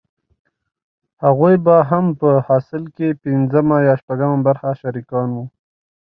هغوې به هم په حاصل کښې پينځمه يا شپږمه برخه شريکان وو.